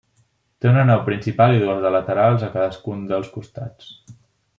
Té una nau principal i dues de laterals a cadascun dels costats.